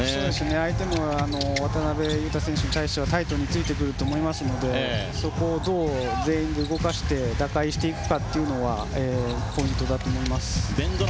相手も渡邊雄太選手に対してはタイトについてくると思いますのでそこをどう全員で動かして打開していくかというのはポイントだと思いますね。